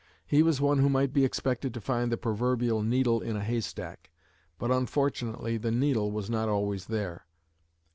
He was one who might be expected to find the proverbial "needle in a haystack," but unfortunately the needle was not always there.